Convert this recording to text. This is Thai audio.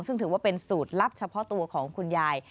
ซึ่งถือว่าเป็นสูตรลับเฉพาะตัวของคุณยาย